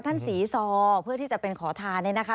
ท่านศรีซอเพื่อที่จะเป็นขอทานเนี่ยนะคะ